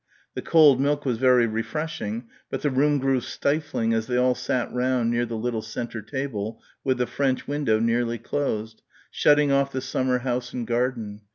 The cold milk was very refreshing but the room grew stifling as they all sat round near the little centre table with the French window nearly closed, shutting off the summer house and garden.